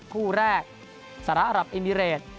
คู่แรกสระอับอิมิเรต